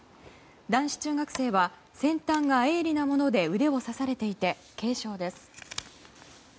男子中学生は先端が鋭利なもので腕を刺されていて軽傷です。